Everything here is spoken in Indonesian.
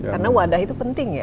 karena wadah itu penting ya